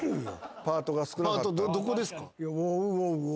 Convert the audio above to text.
パートどこですか？